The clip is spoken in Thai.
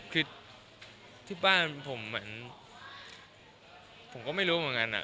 คือที่บ้านผมเหมือนผมก็ไม่รู้เหมือนกัน